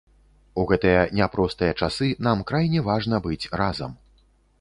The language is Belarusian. У гэтыя няпростыя часы, нам крайне важна быць разам.